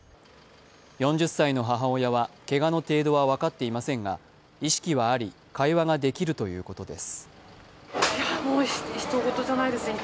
４０歳の母親はけがの程度は分かっていませんが意識があり会話ができるということです。